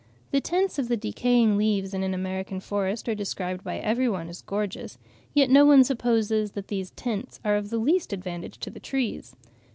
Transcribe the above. The tints of the decaying leaves in an American forest are described by every one as gorgeous; yet no one supposes that these tints are of the least advantage to the trees.